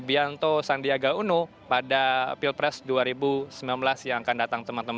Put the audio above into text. ini adalah pilihan umum